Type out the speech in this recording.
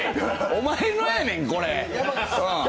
お前のやねん、こいつ。